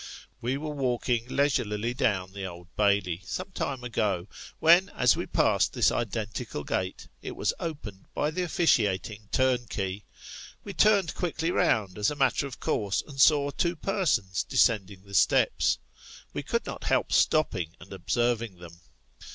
We were walking leisurely down the Old Bailey, some time ago, when, as we passed this identical gate, it was opened by the officiating turnkey. We turned quickly round, as a matter of course, and saw two persons descending the steps. We could not help stopping and observing them.